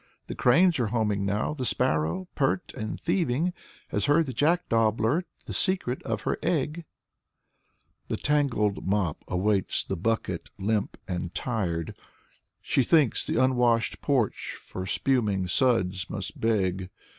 The cranes are homing now, the sparrow, pert and thieving, Has heard the jackdaw blurt the secret of her egg." The tangled mop awaits the bucket, limp and tired. She thinks the unwashed porch for spuming suds must beg.